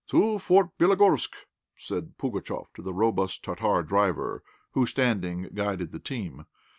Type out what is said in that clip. "To Fort Bélogorsk!" said Pugatchéf to the robust Tartar driver, who standing guided the team.